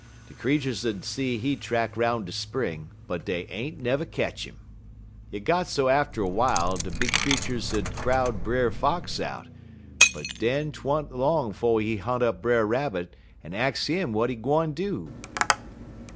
De creeturs 'ud see he track 'roun' de spring, but dey ain't nev' ketch 'im. Hit got so atter w'ile dat de big creeturs 'ud crowd Brer Fox out, en den 't wa'n't long 'fo' he hunt up Brer Rabbit en ax 'im w'at he gwine do.